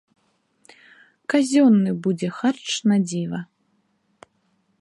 Казённы будзе харч надзіва.